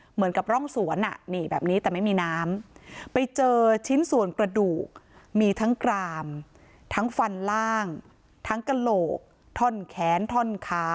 เหมือนกับร่องสวนแบบนี้แต่ไม่มีน้ำไปเจอชิ้นส่วนกระดูกมีทั้งกรามทั้งฟันล่างทั้งกระโหลกท่อนแขนท่อนขา